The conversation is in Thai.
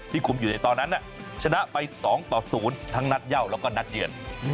ที่คุมอยู่ในตอนนั้นนะชนะไป๒๐ทั้งนัดย่าวแล้วก็นัดเดียน